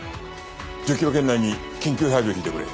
１０キロ圏内に緊急配備を敷いてくれ。